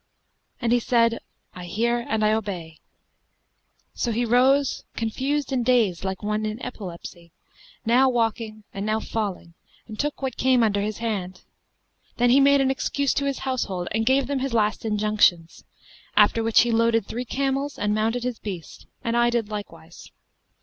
And he said, 'I hear and I obey.' So he rose, confused and dazed like one in epilepsy, now walking and now falling, and took what came under his hand. Then he made an excuse to his household and gave them his last injunctions, after which he loaded three camels and mounted his beast; and I did likewise.